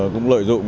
cũng lợi dụng